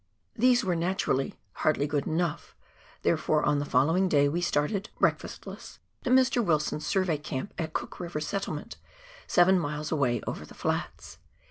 These were naturally " hardly good enough," there fore on the following day we started, breakfastless, to Mr. "Wilson's Survey Camp at Cook River Settlement, seven miles away over the flats.